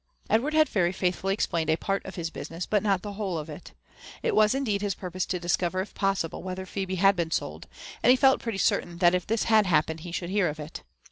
Edward had very faithfully explained a part of his business, but not the whole of it. It was indeed his purpose to discover, if possible, whether Phebe had been sold ; and he felt pretty certain that if this had happened, he should hear of it.